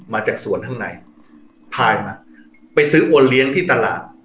มาจากสวนข้างในพายมาไปซื้อโอเลี้ยงที่ตลาด